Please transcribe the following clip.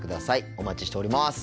お待ちしております。